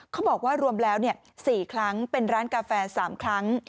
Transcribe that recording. เขาบอกว่ารวมแล้ว๔ครั้งเป็นร้านกาแฟ๓ครั้ง